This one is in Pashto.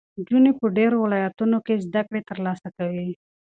نجونې په ډېرو ولایتونو کې زده کړې ترلاسه کوي.